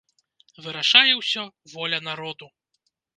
Вырашае ўсё воля народу.